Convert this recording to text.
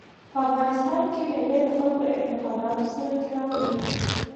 په افغانستان کې مېوې د خلکو د اعتقاداتو سره تړاو لري.